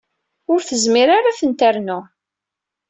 Ur tezmir ara ad ten-ternu.